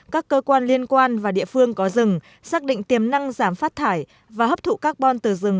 các cơ quan liên quan và địa phương có rừng xác định tiềm năng giảm phát thải và hấp thụ carbon từ rừng